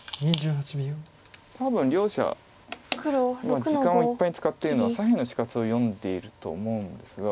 今時間をいっぱいに使ってるのは左辺の死活を読んでいると思うんですが。